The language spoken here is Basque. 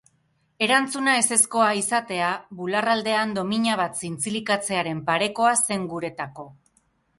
Erantzuna ezezkoa izatea, bularraldean domina bat zintzilikatzearen parekoa zen guretako.